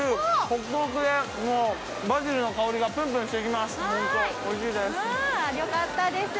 ホクホクでバジルの香りがプンプンしてきます。